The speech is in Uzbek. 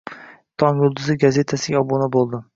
"Tong yulduzi" gazetasiga obuna boʻldim.